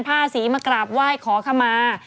ผ้าสีมากราบไหว้ขอขมา